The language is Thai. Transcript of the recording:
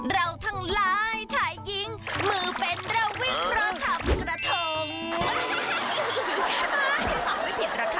เราทั้งลายถ่ายยิงมือเป็นระวิ่งรอทำกระทง